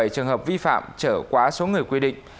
chín trăm một mươi bảy trường hợp vi phạm trở quá số người quy định